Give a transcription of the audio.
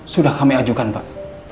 sudah kami ajukan pak